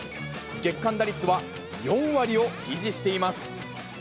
月間打率は４割を維持しています。